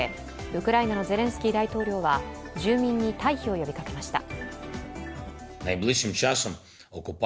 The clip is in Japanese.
ウクライナのゼレンスキー大統領は住民に退避を呼びかけました。